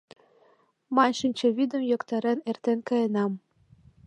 Мынь шинчавӱдым йоктарен эртен каенам.